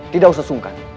tidak usah sungkan